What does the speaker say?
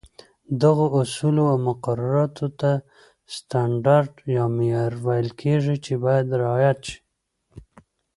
دغو اصولو او مقرراتو ته سټنډرډ یا معیار ویل کېږي، چې باید رعایت شي.